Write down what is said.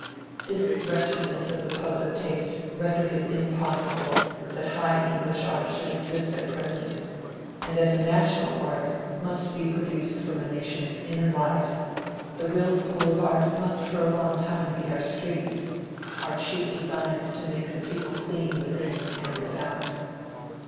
This wretchedness of the public taste ren dered it impossible that high English art should exist at pre sent, and as a national art must be produced from a nation's inner life, the real school of art must for a long time be our streets — our chief designs to make the people clean within and without.